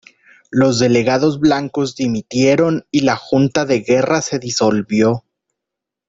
Los delegados blancos dimitieron y la Junta de Guerra se disolvió.